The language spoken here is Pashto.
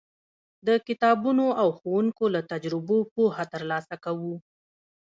د کتابونو او ښوونکو له تجربو پوهه ترلاسه کوو.